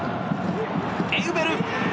エウベル。